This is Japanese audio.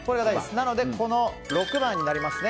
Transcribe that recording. なので、６番になりますね。